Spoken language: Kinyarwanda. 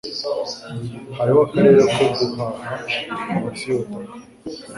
Hariho akarere ko guhaha munsi yubutaka